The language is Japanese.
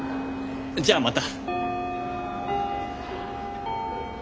じゃあまた。